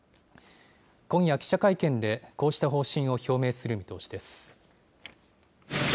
今夜記者会見で、こうした方針を表明する見通しです。